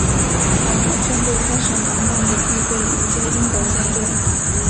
法国舰队开始忙乱地预备迎击英国舰队。